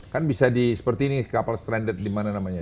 kan bisa di seperti ini kapal stranded di mana namanya